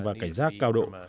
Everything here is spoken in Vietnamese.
và cảnh giác cao độ